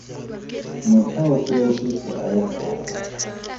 Motlhaope o setse a ya gae.